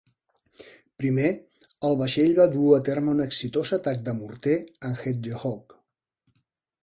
Primer, el vaixell va dur a terme un exitós atac de morter amb Hedgehog.